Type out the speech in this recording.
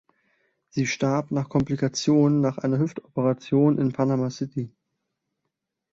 Sie starb nach Komplikationen nach einer Hüftoperation in Panama City.